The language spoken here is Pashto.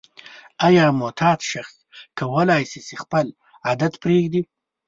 آیا معتاد شخص کولای شي چې خپل عادت پریږدي؟